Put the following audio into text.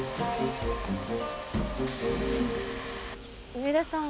上田さん